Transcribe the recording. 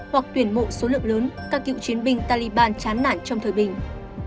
hoặc tuyển mộ số lượng lớn các cựu chiến binh taliban chán nản trong thời bình